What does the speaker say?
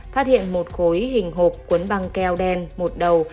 phát hiện một khối hình hộp cuốn băng keo đen một đầu